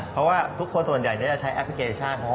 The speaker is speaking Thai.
เพราะว่าทุกคนส่วนใหญ่จะใช้แอปพลิเคชัน